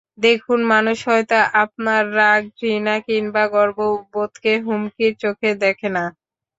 দেখুন, মানুষ হয়তো আপনার রাগ, ঘৃণা কিংবা গর্ববোধকে হুমকির চোখে দেখে না।